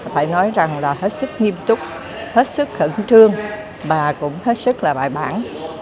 phải nói rằng là hết sức nghiêm túc hết sức khẩn trương và cũng hết sức là bài bản